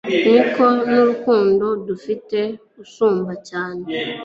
niko n'urukundo adufitiye usumba cyane